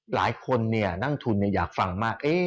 หลายคนเนี่ยนั่งทุนเนี่ยอยากฟังมาก